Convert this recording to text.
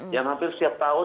yang hampir setiap tahun